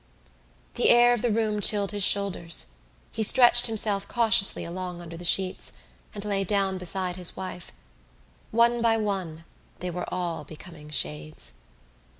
The air of the room chilled his shoulders. He stretched himself cautiously along under the sheets and lay down beside his wife. One by one they were all becoming shades.